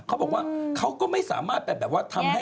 เขาบอกว่าเขาก็ไม่สามารถไปแบบว่าทำให้